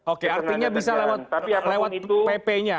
oke artinya bisa lewat pp nya